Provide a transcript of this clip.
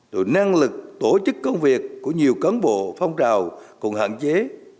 rồi năng lực tổ chức công việc của nhiều cán bộ phong trào còn hạn chế